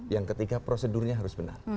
yang ketiga prosedurnya harus benar